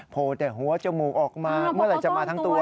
โผล่แต่หัวจมูกออกมาเมื่อไหร่จะมาทั้งตัว